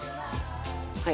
はい。